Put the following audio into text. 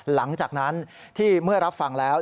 หลังจากนั้นที่เมื่อรับฟังแล้ว